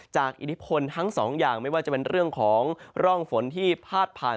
อิทธิพลทั้งสองอย่างไม่ว่าจะเป็นเรื่องของร่องฝนที่พาดผ่าน